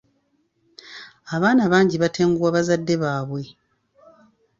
Abaana bangi batenguwa bazadde baabwe.